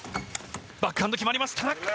バックハンド、決まりました。